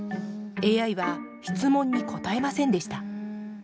ＡＩは質問に答えませんでした。